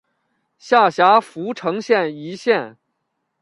下辖涪城县一县。